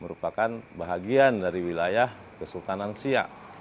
merupakan bahagian dari wilayah kesultanan siak